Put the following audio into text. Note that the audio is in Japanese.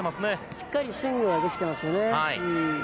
しっかりスイングはできていますね。